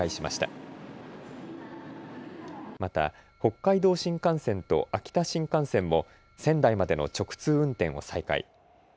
また北海道新幹線と秋田新幹線も仙台までの直通運転を再開。